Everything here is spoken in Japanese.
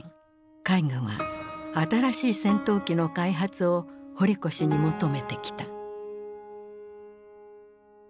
海軍は新しい戦闘機の開発を堀越に求めてきた。